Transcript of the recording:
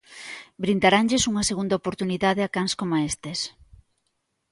Brindaranlles unha segunda oportunidade a cans coma estes.